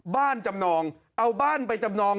จำนองเอาบ้านไปจำนอง